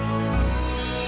mona terima kasih ya